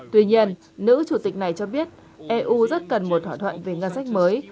tuy nhiên nữ chủ tịch này cho biết eu rất cần một thỏa thuận về ngân sách mới